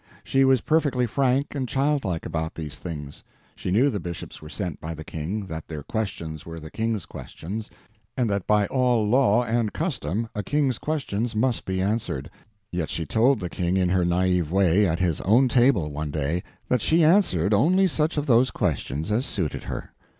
She was perfectly frank and childlike about these things. She knew the bishops were sent by the King, that their questions were the King's questions, and that by all law and custom a King's questions must be answered; yet she told the King in her naive way at his own table one day that she answered only such of those questions as suited her.